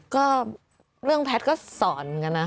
ก็เรื่องแพทย์ก็สอนกันนะ